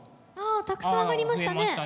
あったくさん挙がりましたね。